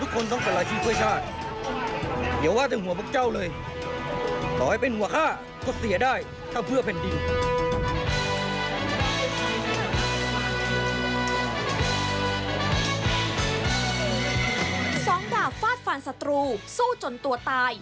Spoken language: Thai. สองดาบฟาดฟันศัตรูสู้จนตัวตาย